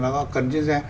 mà họ cần chuyên gia